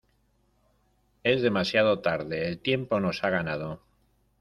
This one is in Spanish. Es demasiado tarde, el tiempo nos ha ganado.